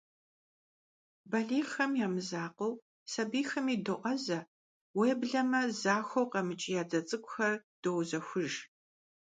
Балигъхэм я мызакъуэу, сабийхэми доӀэзэ, уеблэмэ захуэу къэмыкӀ я дзэ цӀыкӀухэр доузэхуж.